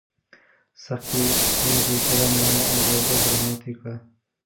سختۍ مې په پوره مېړانه او زړورتیا سره ماتې کړې.